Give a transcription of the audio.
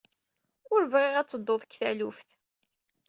Ur bɣiɣ ad tedduḍ deg taluft.